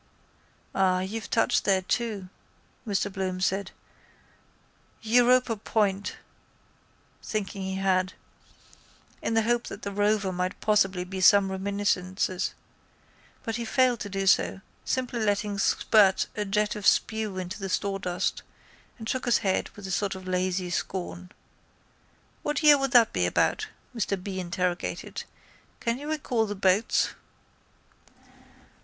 —Ah, you've touched there too, Mr Bloom said, Europa point, thinking he had, in the hope that the rover might possibly by some reminiscences but he failed to do so, simply letting spirt a jet of spew into the sawdust, and shook his head with a sort of lazy scorn. —What year would that be about? Mr B interrogated. Can you recall the boats?